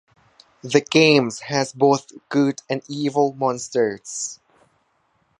The game has both good and evil monsters.